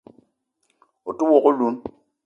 O te wok oloun